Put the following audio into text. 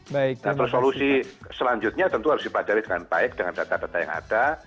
nah terus solusi selanjutnya tentu harus dipelajari dengan baik dengan data data yang ada